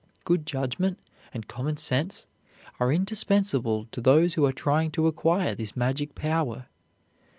Good judgment and common sense are indispensable to those who are trying to acquire this magic power.